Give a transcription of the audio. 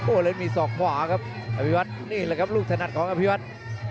แล้วมีศอกขวาครับอภิวัตรนี่แหละครับลูกถนัดของอภิวัตร